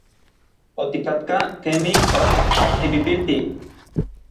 Otikatkaj kemij ok tipipiltij.